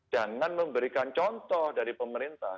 jangan memberikan contoh dari pemerintah